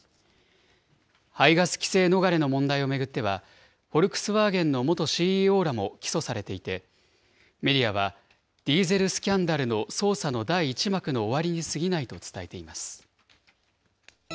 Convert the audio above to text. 排ガス規制逃れの問題を巡っては、フォルクスワーゲンの元ＣＥＯらも起訴されていて、メディアは、ディーゼルスキャンダルの捜査の第一幕の終わりにすぎないと伝えています。